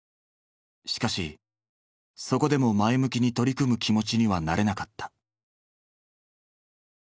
しかしそこでも前向きに取り組む気持ちにはなれなかった。